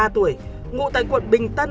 hai mươi ba tuổi ngụ tại quận bình tân